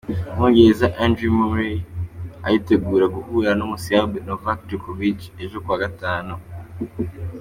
Umwongereza Andy Murray aritegura guhura n'umuSerbe Novak Djokovic ejo kuwa gatanu.